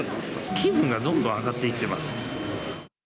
気分がどんどん上がっていってます。